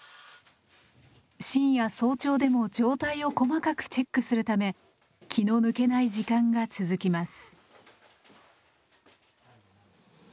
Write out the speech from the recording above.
深夜早朝でも状態を細かくチェックするため気の抜けない時間が続きます。